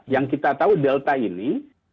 yang kita tahu delta ini